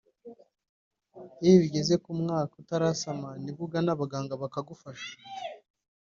Iyo bigeze ku mwaka utarasama nibwo ugana baganga bakagufasha